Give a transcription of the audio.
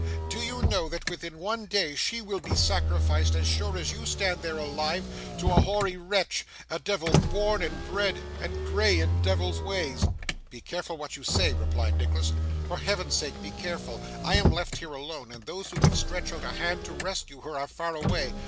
Do you know that, within one day, she will be sacrificed, as sure as you stand there alive, to a hoary wretch a devil born and bred, and grey in devils' ways?' 'Be careful what you say,' replied Nicholas. 'For Heaven's sake be careful! I am left here alone, and those who could stretch out a hand to rescue her are far away.